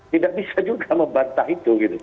tidak bisa juga membantah itu